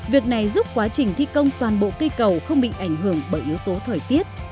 việc này giúp quá trình thi công toàn bộ cây cầu không bị ảnh hưởng bởi yếu tố thời tiết